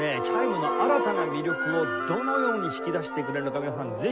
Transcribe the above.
チャイムの新たな魅力をどのように引き出してくれるのか皆さん